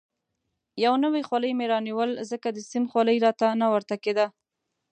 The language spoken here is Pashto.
یو نوی خولۍ مې رانیول، ځکه د سیم خولۍ راته نه ورته کېده.